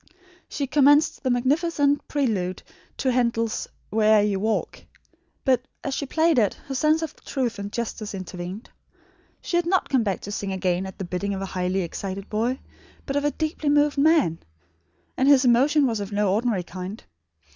She commenced the magnificent prelude to Handel's "Where'er you walk," but, as she played it, her sense of truth and justice intervened. She had not come back to sing again at the bidding of a highly excited boy, but of a deeply moved man; and his emotion was of no ordinary kind.